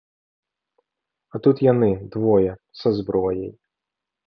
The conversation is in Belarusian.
А тут яны, двое, са зброяй.